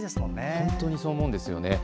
本当にそう思うんですよね。